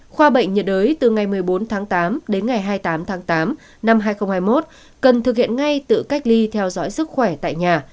khoa bệnh nhiệt đới từ ngày một mươi bốn tháng tám đến ngày hai mươi tám tháng tám năm hai nghìn hai mươi một cần thực hiện ngay tự cách ly theo dõi sức khỏe tại nhà